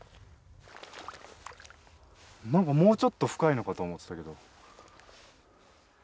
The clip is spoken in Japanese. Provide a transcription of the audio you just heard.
何かもうちょっと深いのかと思ってたけど。